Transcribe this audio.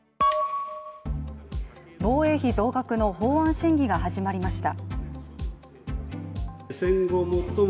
防衛費増額の法案審議が始まりました。